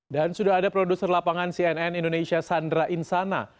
dan sudah ada produser lapangan cnn indonesia sandra insana